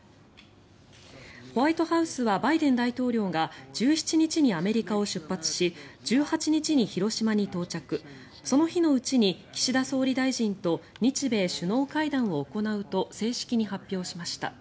ホワイトハウスはバイデン大統領が１７日にアメリカを出発し１８日に広島に到着その日のうちに岸田総理大臣と日米首脳会談を行うと正式に発表しました。